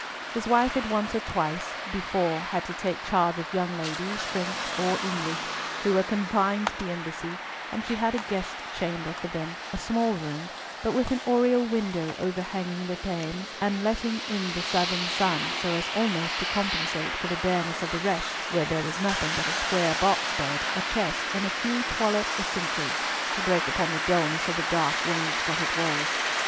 His wife had once or twice before had to take charge of young ladies, French or English, who were confided to the embassy, and she had a guest chamber for them, a small room, but with an oriel window overhanging the Thames and letting in the southern sun, so as almost to compensate for the bareness of the rest, where there was nothing but a square box bed, a chest, and a few toilette essentials, to break upon the dulness of the dark wainscoted walls.